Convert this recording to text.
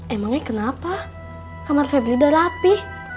emangnya kenapa kamar febri udah rapi